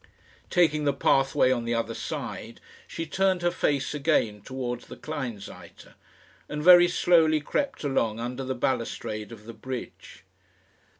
Taking the pathway on the other side, she turned her face again towards the Kleinseite, and very slowly crept along under the balustrade of the bridge.